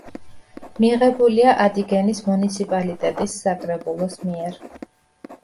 მიღებულია ადიგენის მუნიციპალიტეტის საკრებულოს მიერ.